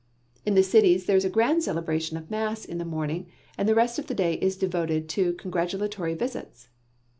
In the cities there is a grand celebration of mass in the morning and the rest of the day is devoted to congratulatory visits.